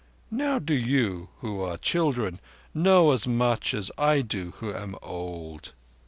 Now do you, who are children, know as much as I do who am old."